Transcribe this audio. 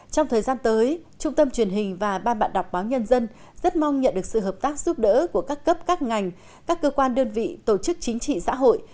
trong thời gian tới trung tâm truyền hình và ban bạn đọc báo nhân dân rất mong nhận được sự hợp tác giúp đỡ của các cấp các ngành các cơ quan đơn vị tổ chức chính trị xã hội